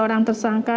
tiga orang tersangka